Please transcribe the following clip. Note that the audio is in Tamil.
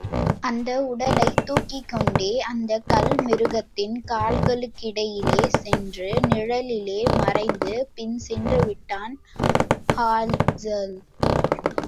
அந்த உடலைத் தூக்கிக்கொண்டே, அந்தக் கல் மிருகத்தின் கால்களுக்கிடையிலே சென்று நிழலிலே மறைந்து பின் சென்றுவிட்டான் ஹாஸாள்!